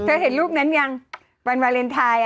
เห็นรูปนั้นยังวันวาเลนไทย